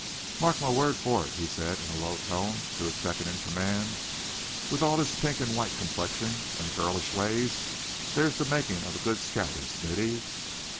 "Mark my word for it," he said in a low tone to his second in command; "with all his pink and white complexion, and girlish ways, there's the making of a good scout in Smithy.